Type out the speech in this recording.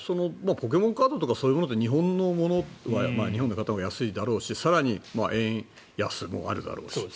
ポケモンカードとかそういうものって日本で買ったほうが安いだろうし更に、円安もあるだろうし。